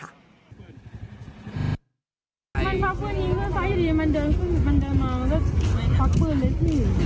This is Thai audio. มันพักเพื่อนนี้เพื่อนไฟดีมันเดินขึ้นมันเดินมาแล้วพักเพื่อนเล็กหนึ่ง